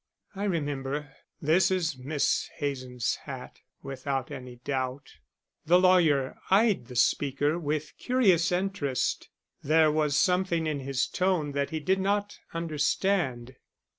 "I remember. This is Miss Hazen's hat without any doubt." The lawyer eyed the speaker with curious interest. There was something in his tone that he did not understand.